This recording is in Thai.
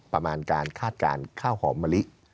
ประมาณการคาดการณ์ข้าวหอมมะลิ